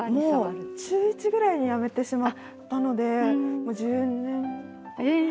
もう中１ぐらいにやめてしまったのでもう１０年。